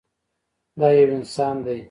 دا يو انسان ديه.